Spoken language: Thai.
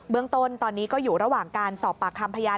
เรื่องต้นตอนนี้ก็อยู่ระหว่างการสอบปากคำพยาน